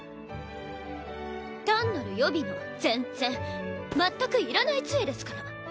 単なる予備のぜんっぜん全くいらない杖ですから。